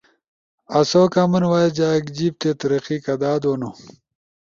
آسو کامن وائس جا ایک جیِب تے ترقی کدا دونو؟